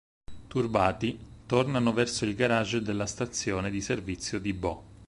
Turbati, tornano verso il garage della stazione di servizio di Bo.